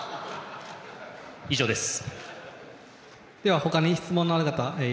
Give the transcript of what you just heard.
以上です。